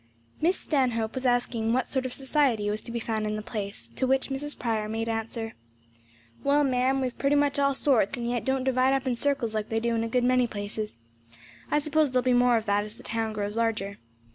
Miss Stanhope was asking what sort of society was to be found in the place, to which Mrs. Prior made answer, "Well, ma'am, we have pretty much all sorts; and yet don't divide up in circles like they do in a good many places. I s'pose there'll be more of that as the town grows larger.